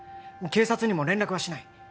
警察にも連絡はしない